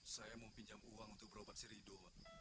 saya mau pinjam uang untuk berobat si rido